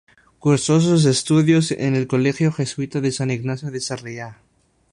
Cursó sus estudios en el colegio jesuita de San Ignacio de Sarriá.